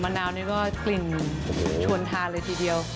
นาวนี่ก็กลิ่นชวนทานเลยทีเดียว